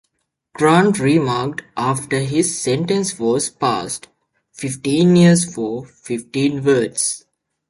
Grant remarked after his sentence was passed: "Fifteen years for fifteen words".